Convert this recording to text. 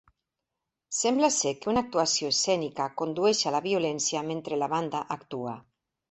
Sembla ser que una actuació escènica condueix a la violència mentre la banda actua.